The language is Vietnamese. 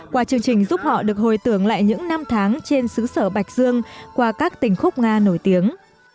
qua chương trình giúp họ được hồi tưởng lại những năm tháng trên xứ sở bạch dương qua các tình khúc nga nổi tiếng